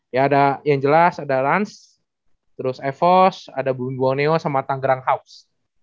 ya ada yang jelas ada lans terus evos ada bun boneo sama tanggerang house